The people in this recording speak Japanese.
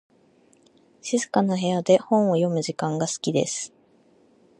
静かな部屋で本を読む時間が好きです。